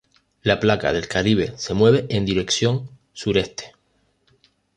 La placa del Caribe se mueve en dirección sureste.